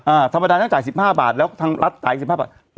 อ่าธรรมดาตั้งแต่จ่าย๑๕บาทแล้วทั้งรัฐจ่ายอีก๑๕บาท